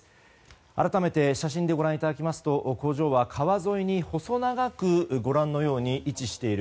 改めて写真でご覧いただくと工場は川沿いに細長くご覧のように位置している。